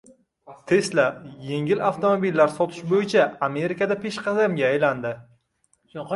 Tesla yengil avtomobillar sotish bo‘yicha Amerikada peshqadamga aylandi.